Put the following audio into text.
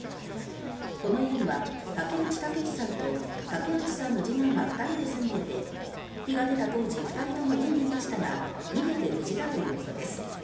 この家には竹内猛さんと竹内さんの次男が２人で住んでいて火が出た当時２人とも家にいましたが逃げて無事だということです。